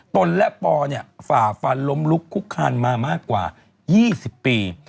ตนและปอฝ่าฟันล้มลุกคุกคานมามากกว่า๒๐ปี